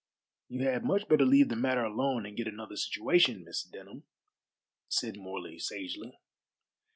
"You had much better leave the matter alone and get another situation, Miss Denham," said Morley sagely.